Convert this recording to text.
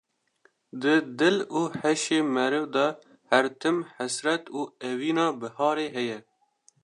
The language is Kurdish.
Di dil û heşê meriv de her tim hesret û evîna biharê heye